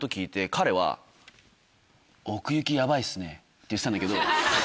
って言ってたんだけど。